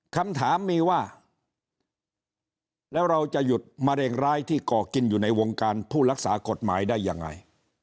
คำถามมีว่าแล้วเราจะหยุดมะเร็งร้ายที่ก่อกินอยู่ในวงการผู้รักษากฎหมายได้ยังไง